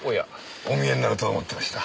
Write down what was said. お見えになると思ってました。